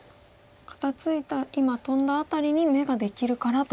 肩ツイた今トンだ辺りに眼ができるからと。